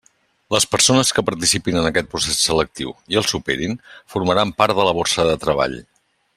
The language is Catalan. Les persones que participin en aquest procés selectiu, i el superin, formaran part de la borsa de treball.